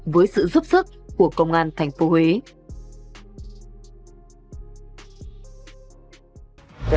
với sự giúp sức của công an thành phố huế